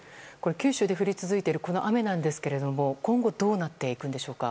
九州で降り続いているこの雨ですが今後どうなっていくでしょうか。